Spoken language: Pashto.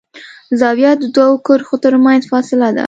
زاویه د دوو کرښو تر منځ فاصله ده.